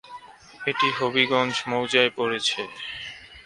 এটি হাজীগঞ্জ মৌজায় পড়েছে।